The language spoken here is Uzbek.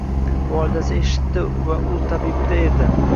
Volidasi eshitti va ul tabiba erdi